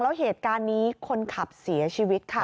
แล้วเหตุการณ์นี้คนขับเสียชีวิตค่ะ